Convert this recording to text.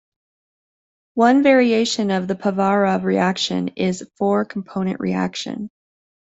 One variation of the Povarov reaction is a four component reaction.